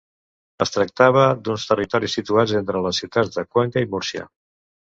Es tractava d'uns territoris situats entre les ciutats de Cuenca i Múrcia.